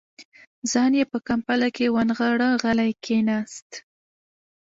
ځان يې په کمپله کې ونغاړه، غلی کېناست.